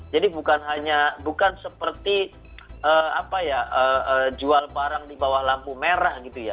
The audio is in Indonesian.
jadi bukan hanya bukan seperti apa ya jual barang di bawah lampu merah gitu ya